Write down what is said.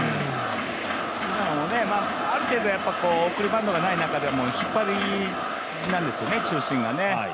今のもある程度、送りバントがない中でも、引っ張りなんですよね、中心はね。